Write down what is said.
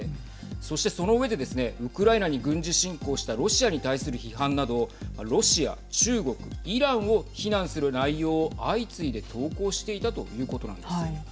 そして、その上でですねウクライナに軍事侵攻したロシアに対する批判などロシア、中国、イランを非難する内容を相次いで投稿していたということなんです。